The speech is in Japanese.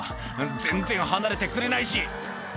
全然離れてくれないし」